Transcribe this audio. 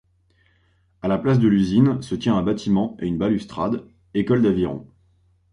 A la place de l'usine, se tient un bâtiment et une balustrade, école d'aviron.